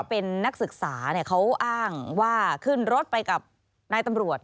เป็นนักศึกษาเขาอ้างว่าขึ้นรถไปกับนายตำรวจ